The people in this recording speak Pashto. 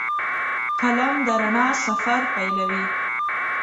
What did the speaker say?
قلم د رڼا سفر پیلوي